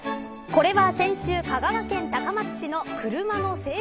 これは先週香川県高松市の車の整備